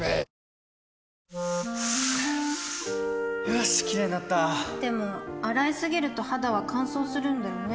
よしキレイになったでも、洗いすぎると肌は乾燥するんだよね